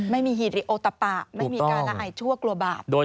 ไม่มีฮีริโอตะปะไม่มีการละอายชั่วกลัวบาป